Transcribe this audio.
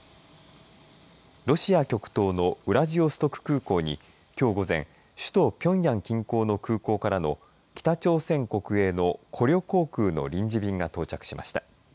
ロシア極東のウラジオストク空港にきょう午前首都ピョンヤン近郊の空港からの北朝鮮国営のコリョ航空の臨時便が到着しました。